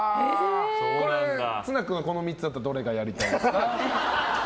綱君は、この３つだったらどれがやりたいですか。